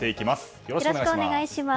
よろしくお願いします。